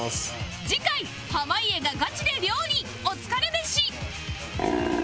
次回濱家がガチで料理お疲れ飯